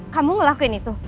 kamu ngelakuin itu